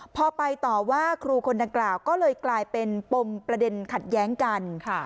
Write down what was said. พอไปต่อว่าครูคนดังกล่าวก็เลยกลายเป็นปมประเด็นขัดแย้งกัน